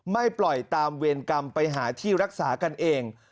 ไม่ปล่อยตามเวรกรรมไปหาที่รักษากันเอง